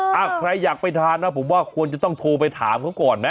ถ้าใครอยากไปทานนะผมว่าควรจะต้องโทรไปถามเขาก่อนไหม